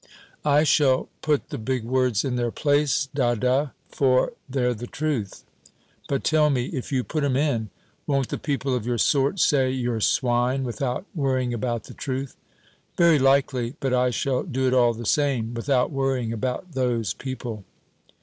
"I shall put the big words in their place, dadda, for they're the truth." "But tell me, if you put 'em in, won't the people of your sort say you're swine, without worrying about the truth?" "Very likely, but I shall do it all the same, without worrying about those people."